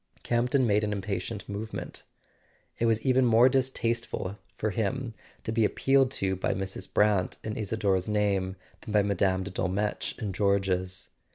Campton made an impatient movement. It was even more distasteful to him to be appealed to by Mrs. Brant in Isador's name than by Mme. de Dolmetsch in George's.